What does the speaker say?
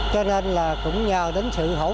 cho nên là cũng nhờ đến sự hỗ trợ